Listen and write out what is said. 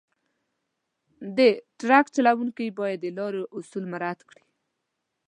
د ټرک چلونکي باید د لارې اصول رعایت کړي.